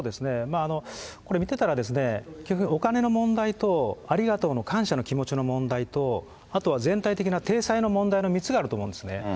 これ、見てたら、結局、お金の問題とありがとうの感謝の気持ちの問題と、あとは全体的な体裁の問題の３つがあると思うんですね。